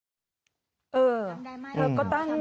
ตำรวจบอกว่าแค่ผลักไม่ถือว่าเป็นการทำร้ายร่างกาย